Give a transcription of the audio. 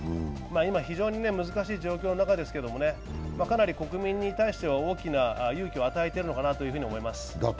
今、非常に難しい状況の中ですけれども、かなり国民に対しては大きな勇気を与えているのかなと思います。